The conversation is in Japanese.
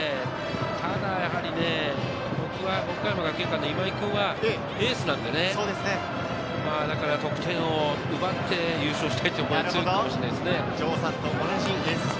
ただ、岡山学芸館の今井君はエースなんで、得点王を奪って優勝したいという思いが強いかもしれないですね。